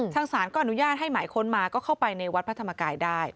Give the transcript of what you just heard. ทางศาลก็อนุญาตให้หมายค้นมาก็เข้าไปในวัดพระธรรมกายได้